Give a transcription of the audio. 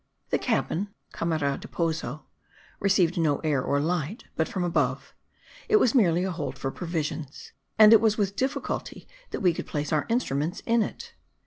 The cabin (camera de pozo) received no air or light but from above; it was merely a hold for provisions, and it was with difficulty that we could place our instruments in it.